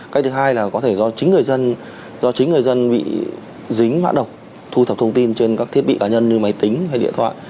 cách thứ hai là có thể do chính người dân bị dính mã độc thu thập thông tin trên các thiết bị cá nhân như máy tính hay điện thoại